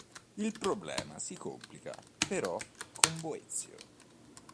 Il problema si complica, però, con Boezio.